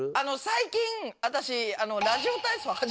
最近私。